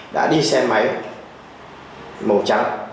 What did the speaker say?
đã đi xe máy màu trắng